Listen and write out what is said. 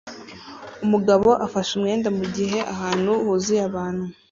Umugabo afashe umwenda mugihe ahantu huzuye abantu